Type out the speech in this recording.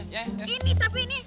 ini tapi ini